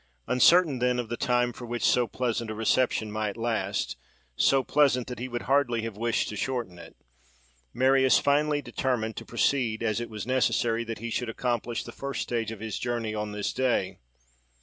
Uncertain, then, of the time for which so pleasant a reception might last, so pleasant that he would hardly have wished to shorten it, Marius finally determined to proceed, as it was necessary that he should accomplish the first stage of his journey on this day.